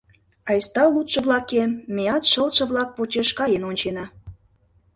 Айста, лудшо-влакем, меат шылше-влак почеш каен ончена.